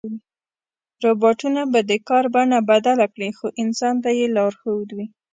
روباټونه به د کار بڼه بدله کړي، خو انسان به یې لارښود وي.